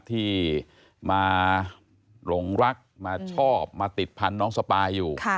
ที่มาหลงรักมาชอบมาติดพันธุ์น้องสปายอยู่